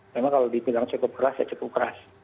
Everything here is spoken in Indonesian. memang kalau dibilang cukup keras ya cukup keras